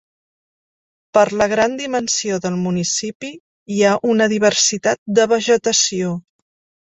Per la gran dimensió del municipi, hi ha una diversitat de vegetació.